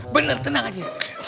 bener tenang aja